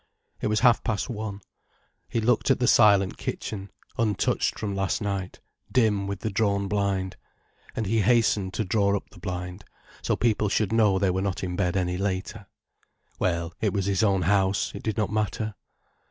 It was half past one. He looked at the silent kitchen, untouched from last night, dim with the drawn blind. And he hastened to draw up the blind, so people should know they were not in bed any later. Well, it was his own house, it did not matter.